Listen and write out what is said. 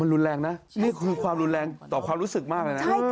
รุนแรงนะนี่คือความรุนแรงต่อความรู้สึกมากเลยนะ